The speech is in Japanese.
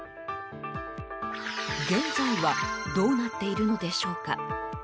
現在はどうなっているのでしょうか？